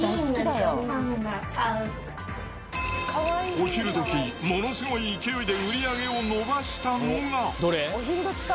お昼どき、ものすごい勢いで売り上げを伸ばしたのが。